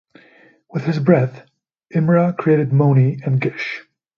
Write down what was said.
With his breath, Imra created Moni and Gish.